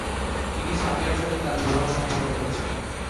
তিনি সাফিয়ার সাথে তার বিবাহ সম্পন্ন করেছিলেন।